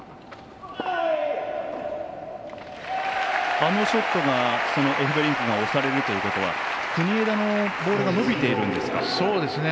あのショットがエフベリンクが押されるということは国枝のボールが伸びているんですか。